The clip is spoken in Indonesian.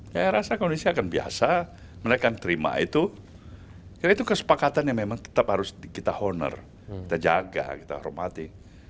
saya rasa kondisi akan biasa mereka yang terima itu karena itu kesepakatan yang memang tetap harus kita honor kita jaga kita hormati